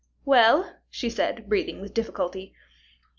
"Well?" she said, breathing with difficulty.